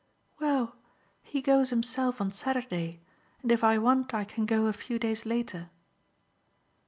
"Well, he goes himself on Saturday, and if I want I can go a few days later."